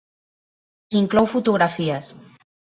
Inclou fotografies.